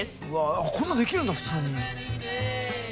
うわこんなんできるんだ普通に。